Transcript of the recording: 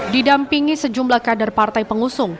didampingi sejumlah kader partai pengusung